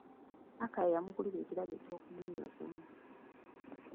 Akaya yamugulira ekirabo eky'okumwebaza.